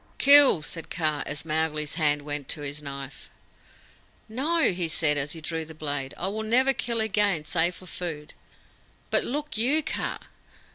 "Kill!" said Kaa, as Mowgli's hand went to his knife. "No," he said, as he drew the blade; "I will never kill again save for food. But look you, Kaa!"